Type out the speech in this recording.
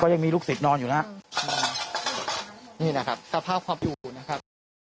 ยังมีลูกศิษย์นอนอยู่นะฮะนี่แหละครับสภาพความอยู่นะครับ